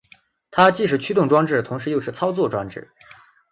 它既是驱动装置同时又是操纵装置。